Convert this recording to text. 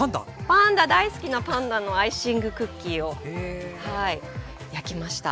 パンダ大好きなパンダのアイシングクッキーを焼きました。